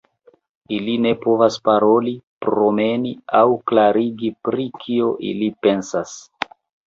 Ili ne povas paroli, promeni aŭ klarigi pri kio ili pensas.